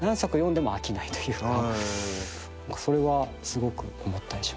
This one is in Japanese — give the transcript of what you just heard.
それはすごく思ったりします。